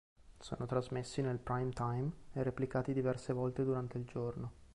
Sono trasmessi nel prime-time e replicati diverse volte durante il giorno.